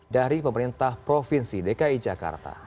dari pemerintah provinsi dki jakarta